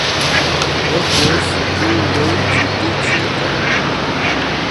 اوچے سکُول لݵ چھوٹی چھی کا